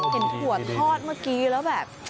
เห็นหัวทอดเมื่อกี้แล้วแบบ